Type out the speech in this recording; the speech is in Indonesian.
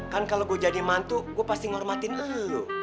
kan kalau gue jadi mantu gue pasti ngormatin lo